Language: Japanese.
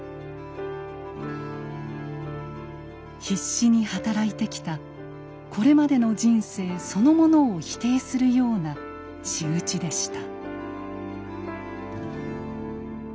必死に働いてきたこれまでの人生そのものを否定するような仕打ちでした。